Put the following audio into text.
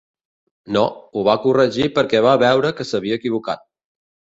No, ho va corregir perquè va veure que s’havia equivocat.